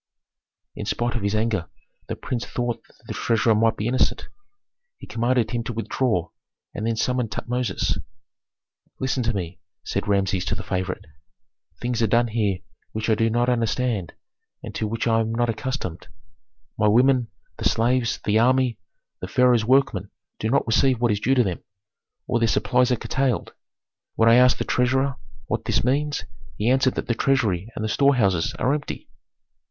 In spite of his anger the prince thought that the treasurer might be innocent. He commanded him to withdraw, and then summoned Tutmosis. "Listen to me," said Rameses to the favorite, "things are done here which I do not understand, and to which I am not accustomed. My women, the slaves, the army, the pharaoh's workmen do not receive what is due them, or their supplies are curtailed. When I asked the treasurer what this means, he answered that the treasury and the storehouses are empty."